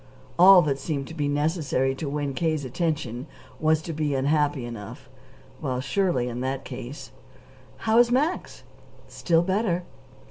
All that seemed to be necessary to win K.'s attention was to be unhappy enough. Well, surely, in that case "How is Max?" "Still better."